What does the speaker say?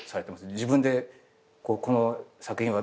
自分でこの作品は。